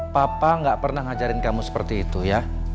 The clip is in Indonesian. papa gak pernah ngajarin kamu seperti itu ya